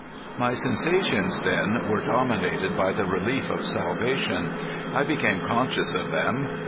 My sensations then were dominated by the relief of salvation. I became conscious of them.